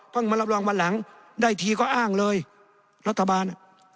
มารับรองวันหลังได้ทีก็อ้างเลยรัฐบาลอ่ะ